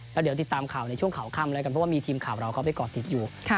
แล้วเดี๋ยวติดตามข่าวในช่วงข่าวค่ำแล้วกันเพราะว่ามีทีมข่าวเราเข้าไปก่อติดอยู่